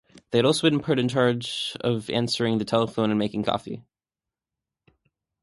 They had also been put in charge of answering the telephone and making coffee.